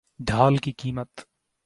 ڈھال کی قیمت